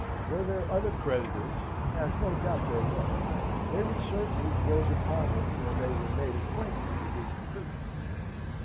Were there other creditors, as no doubt there were, they would certainly close upon him when they were made acquainted with his imprisonment.